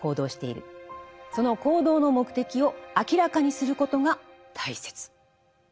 その行動の目的を明らかにすることが大切。